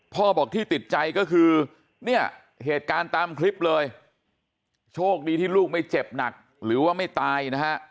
พ่อบอกที่ติดใจก็คือเนี่ยเหตุการณ์ตามคลิปเลยโชคดีที่ลูกไม่เจ็บหนักหรือว่าไม่ตายนะฮะ